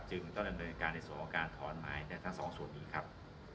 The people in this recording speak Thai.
ต้องดำเนินการในส่วนของการถอนหมายได้ทั้งสองส่วนนี้ครับ